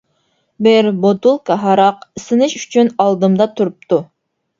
بىر بوتۇلكا ھاراق ئىسسىنىش ئۈچۈن ئالدىمدا تۇرۇپتۇ.